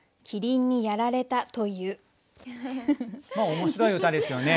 面白い歌ですよね。